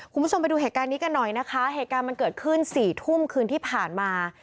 คุณผู้ชมไปดูเหตุการณ์นี้กันหน่อยนะคะเหตุการณ์มันเกิดขึ้นสี่ทุ่มคืนที่ผ่านมา